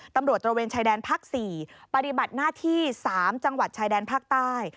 ตระเวนชายแดนภาค๔ปฏิบัติหน้าที่๓จังหวัดชายแดนภาคใต้